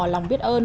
lòng biết ơn